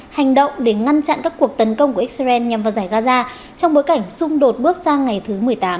hành động để ngăn chặn các cuộc tấn công của israel nhằm vào giải gaza trong bối cảnh xung đột bước sang ngày thứ một mươi tám